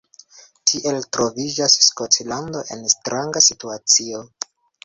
Tiel troviĝas Skotlando en stranga situacio.